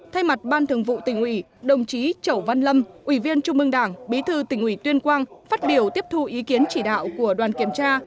thay mặt ban thường vụ tỉnh ủy đồng chí chẩu văn lâm ủy viên trung mương đảng bí thư tỉnh ủy tuyên quang phát biểu tiếp thu ý kiến chỉ đạo của đoàn kiểm tra